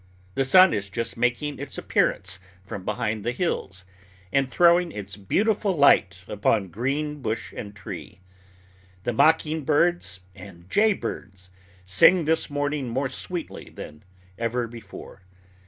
The sun is just making its appearance from behind the hills, and throwing its beautiful light upon green bush and tree. The mocking birds and jay birds sing this morning more sweetly than ever before.